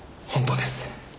本当です。